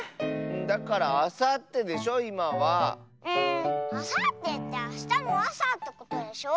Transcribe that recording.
だからあさってでしょいまは。あさってってあしたのあさってことでしょ？